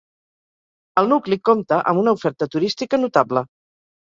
El nucli compta amb una oferta turística notable.